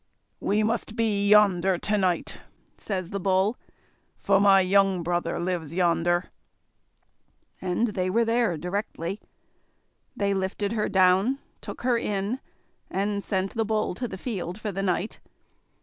"We must be yonder to night," says the Bull, "for my young brother lives yonder;" and they were there directly. They lifted her down, took her in, and sent the Bull to the field for the night.